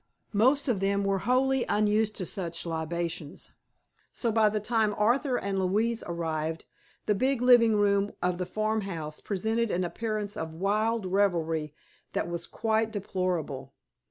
Most of them were wholly unused to such libations, so by the time Arthur and Louise arrived, the big living room of the farmhouse presented an appearance of wild revelry that was quite deplorable.